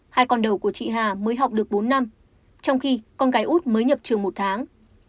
hai con đầu của chị hà mới học được bốn năm trong khi con gái út mới nhập trường một tháng